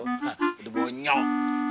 udah gue nyok